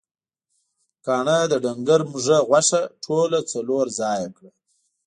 کاڼهٔ د ډنګر مږهٔ غوښه ټوله څلور ځایه کړه.